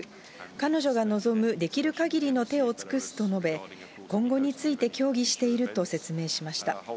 彼女が望むできるかぎりの手を尽くすと述べ、今後について協議していると説明しました。